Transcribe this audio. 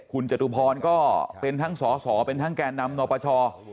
คุณจตุพรก็เป็นทั้งสอสอเป็นทั้งแก่นำนปช